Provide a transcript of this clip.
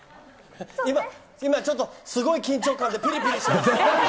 今ちょっと、すごい緊張感でぴりぴりしてます。